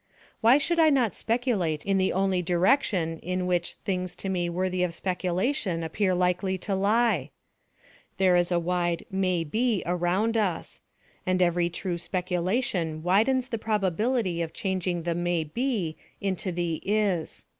Why should I not speculate in the only direction in which things to me worthy of speculation appear likely to lie? There is a wide may be around us; and every true speculation widens the probability of changing the may be into the is.